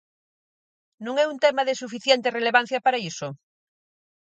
¿Non é un tema de suficiente relevancia para iso?